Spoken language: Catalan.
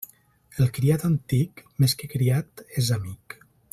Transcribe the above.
El criat antic, més que criat és amic.